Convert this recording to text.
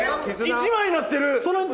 １枚になってる！